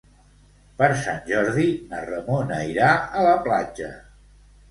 Per Sant Jordi na Ramona irà a la platja.